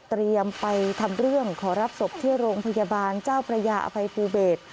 ไปทำเรื่องขอรับศพที่โรงพยาบาลเจ้าพระยาอภัยภูเบศ